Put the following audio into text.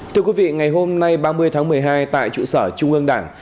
thưa quý vị ngày hôm nay ba mươi tháng một mươi hai tại trụ sở trung ương đảng